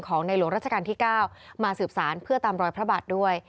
ในหลวงราชการที่๙มาสืบสารเพื่อตามรอยพระบาทด้วย